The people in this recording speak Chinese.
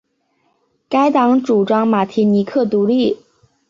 该党主张马提尼克独立。